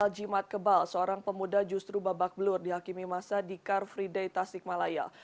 aljimat kebal seorang pemuda justru babak belur dihakimi masa di karfriday tasikmalaya